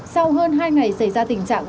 sau hơn hai ngày xảy ra tình trạng